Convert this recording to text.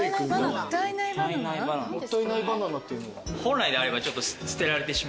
もったいないバナナっていうのが。